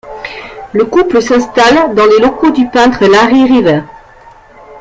Le couple s'installe dans les locaux du peintre Larry Rivers.